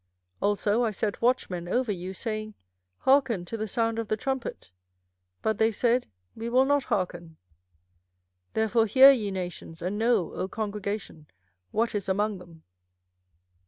24:006:017 Also I set watchmen over you, saying, Hearken to the sound of the trumpet. But they said, We will not hearken. 24:006:018 Therefore hear, ye nations, and know, O congregation, what is among them.